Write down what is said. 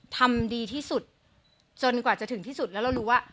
ทำดีที่สุดจนกว่าจะถึงที่สุดแล้วเรารู้ว่า